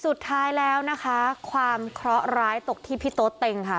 สุดท้ายแล้วนะคะความเคราะหร้ายตกที่พี่โต๊เต็งค่ะ